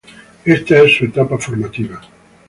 Esta es su etapa formativa.